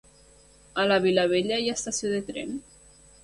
A la Vilavella hi ha estació de tren?